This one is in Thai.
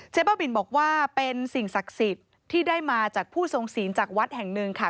บ้าบินบอกว่าเป็นสิ่งศักดิ์สิทธิ์ที่ได้มาจากผู้ทรงศีลจากวัดแห่งหนึ่งค่ะ